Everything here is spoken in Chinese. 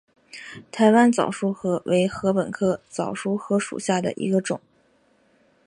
台湾早熟禾为禾本科早熟禾属下的一个种。